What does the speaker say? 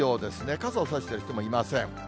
傘を差している人もいません。